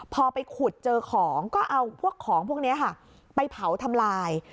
พอไปขุดเจอของก็เอาพวกของพวกนี้ค่ะไปเผาทำลาย